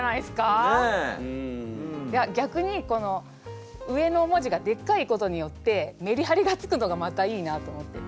いやぎゃくにこの上の文字がでっかいことによってメリハリがつくのがまたいいなと思って。